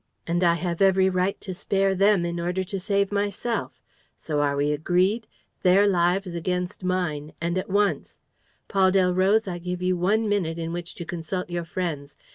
And I have every right to spare them in order to save myself. So are we agreed? Their lives against mine! And at once! ... Paul Delroze, I give you one minute in which to consult your friends.